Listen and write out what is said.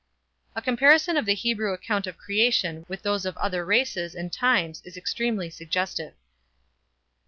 A comparison of the Hebrew account of creation with those of other races and times is extremely suggestive.